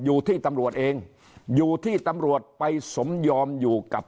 อยู่ที่ตำรวจเองอยู่ที่ตำรวจไปสมยอมอยู่กับ